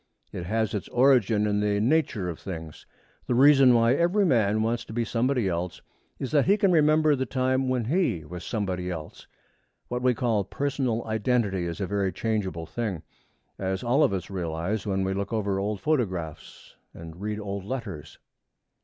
It has its origin in the nature of things. The reason why every man wants to be somebody else is that he can remember the time when he was somebody else. What we call personal identity is a very changeable thing, as all of us realize when we look over old photographs and read old letters.